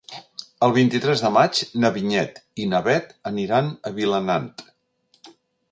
El vint-i-tres de maig na Vinyet i na Bet aniran a Vilanant.